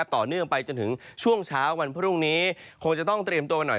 ต่อเนื่องไปจนถึงช่วงเช้าวันพรุ่งนี้คงจะต้องเตรียมตัวหน่อย